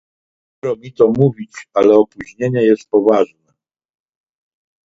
Przykro mi to mówić, ale opóźnienie jest poważne